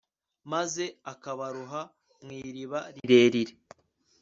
maze akabaroha mu iriba rirerire